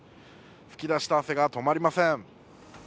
ふき出した汗が止まりません。